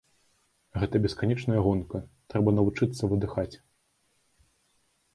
Гэта бесканечная гонка, трэба навучыцца выдыхаць.